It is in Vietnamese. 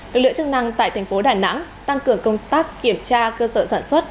lực lượng chức năng tại thành phố đà nẵng tăng cường công tác kiểm tra cơ sở sản xuất